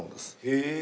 へえ。